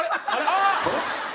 あっ！